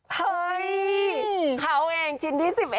เฮ้ยเขาเองชิ้นที่๑๑